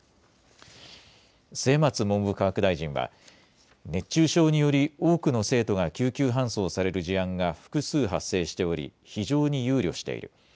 末松文部科学大臣は、熱中症により多くの生徒が救急搬送される事案が複数発生しており非常に憂慮している。